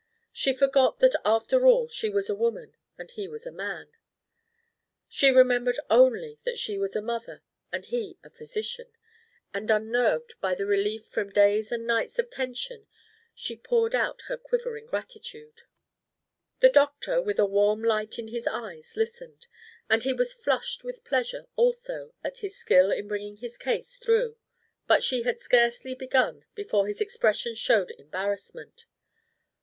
She forgot that after all she was a woman and he was a man; she remembered only that she was a mother and he a physician; and unnerved by the relief from days and nights of tension, she poured out her quivering gratitude. The doctor with a warm light in his eyes listened; and he was flushed with pleasure also at his skill in bringing his case through; but she had scarcely begun before his expression showed embarrassment.